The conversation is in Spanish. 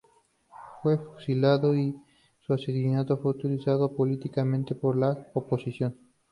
Fue fusilado y su asesinato fue utilizado políticamente por la oposición.